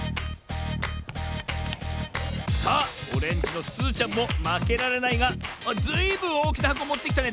さあオレンジのすずちゃんもまけられないがずいぶんおおきなはこもってきたね。